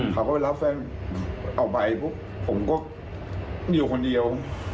เขาก็ไปรับแฟนออกไปปุ๊บผมก็อยู่คนเดียว